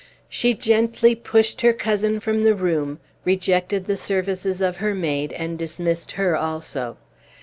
She gently pushed her cousin from the room, rejected the services of her maid, and dismissed her also.